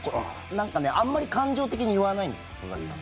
なんかあんまり感情的に言わないんですよ、里崎さん。